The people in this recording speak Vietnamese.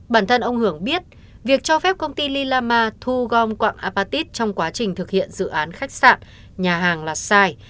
bản thân ông hưởng biết việc cho phép công ty lilama thu gom quạng apatit trong quá trình thực hiện dự án khách sạn nhà hàng là sai